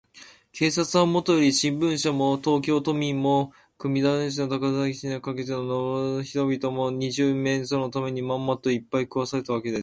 警察はもとより、新聞社も、東京都民も、熊谷市から高崎市にかけての町々村々の人々も、二十面相のために、まんまと、いっぱい食わされたわけです。